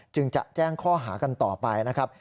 จึงจะแจ้งข้อหากันต่อไปนะครับ